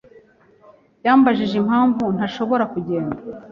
yambajije impamvu ntashobora kugenda.